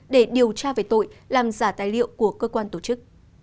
để điều tra về tội làm giả tài liệu của cơ quan tổ chức